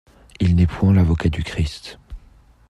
Il n'est point l'avocat du Christ.